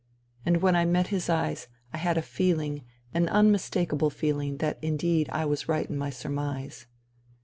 And when I met his eyes I had a feeling, an unmistakable feeling, that indeed I was right in my surmise.